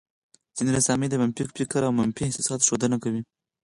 ځينې رسامۍ د منفي فکر او منفي احساساتو ښودونکې وې.